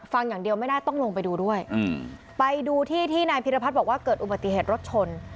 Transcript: ฟังอย่างเดียวไม่ได้ต้องลงไปดูด้วยไปดูที่ที่นายพิรพัฒน์บอกว่าเกิดอุบัติเหตุรถชน